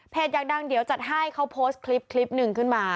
เพจยังดังเดี๋ยวจัดให้เขาโพสต์คลิปนึงขึ้นมา